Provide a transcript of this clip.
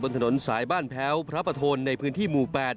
ถนนสายบ้านแพ้วพระประโทนในพื้นที่หมู่๘